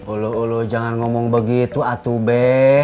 olho olho jangan ngomong begitu atuh be